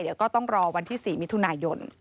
เดี๋ยวก็ต้องรอวันที่๔มิถุนายน